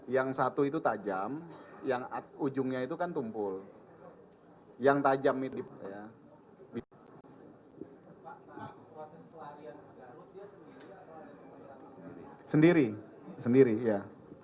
yang satu itu tajam yang at ujungnya itu kan tumpul yang tajam ini sendiri sendiri ya